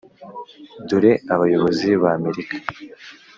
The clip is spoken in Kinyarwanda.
dore abayobozi b’amerika,